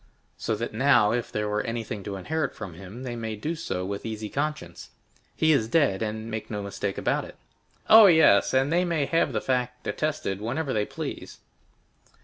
"So that now, if there were anything to inherit from him, they may do so with easy conscience. He is dead, and no mistake about it." "Oh, yes; and they may have the fact attested whenever they please."